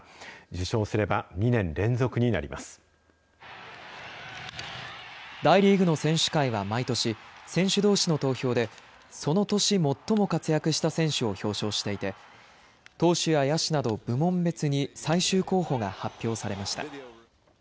受賞すれば、大リーグの選手会は毎年、選手どうしの投票で、その年最も活躍した選手を表彰していて、投手や野手など、部門別に最終候補が発表されました。